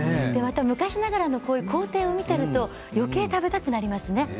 昔ながらの工程を見ていると、よけい食べたくなりますね。